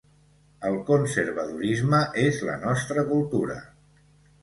El conservadorisme és la nostra cultura.